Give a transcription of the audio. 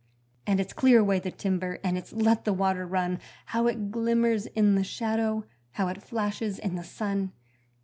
And it's clear away the timber, and it's let the water run: How it glimmers in the shadow, how it flashes in the sun!